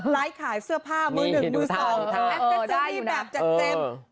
ไลค์ขายเสื้อผ้าเมื่อหนึ่งมือสองถ่ายแอสเซอรี่แบบจะเจ็บ